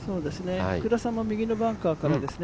福田さんも右のバンカーからですね。